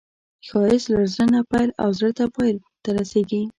ښایست له زړه نه پیل او زړه ته پای ته رسېږي